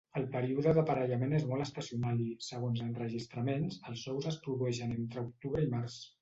El període d'aparellament és molt estacional i, segons enregistraments, els ous es produeixen entre octubre i març.